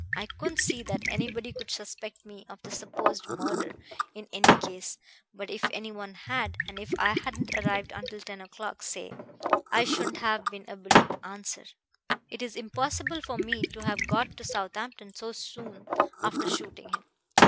I couldn't see that anybody could suspect me of the supposed murder in any case; but if any one had, and if I hadn't arrived until ten o'clock, say, I shouldn't have been able to answer: 'It is impossible for me to have got to Southampton so soon after shooting him.'